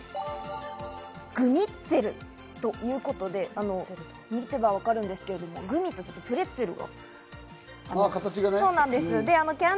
グミッツェルということで、見ればわかるんですけれど、グミとプレッツェルの。